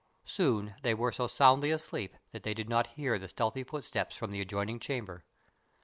Soon they were so soundly asleep that they did not hear the stealthy footsteps from the adjoining chamber.